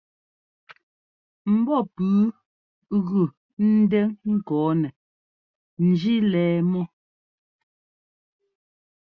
Ḿbɔ́ pʉ́ʉ gʉ ńdɛ́ ŋkɔɔnɛ njí lɛɛ mɔ́.